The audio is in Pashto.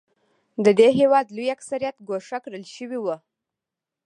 د دې هېواد لوی اکثریت ګوښه کړل شوی و.